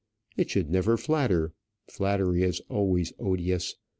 It should never flatter. Flattery is always odious.